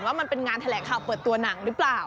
ว่ามันเป็นงานแถลงข่าวเปิดตัวหนังหรือเปล่า